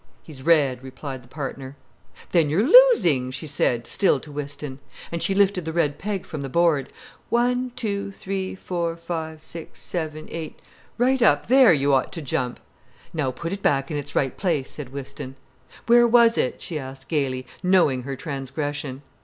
"He's red," replied the partner. "Then you're losing," she said, still to Whiston. And she lifted the red peg from the board. "One—two—three—four—five—six—seven—eight—Right up there you ought to jump——" "Now put it back in its right place," said Whiston. "Where was it?" she asked gaily, knowing her transgression.